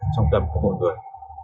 trong tâm của một người